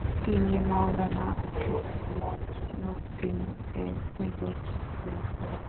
তিনি মাওলানা মইনুদ্দিন-এর নিকট শিক্ষা লাভ করেন।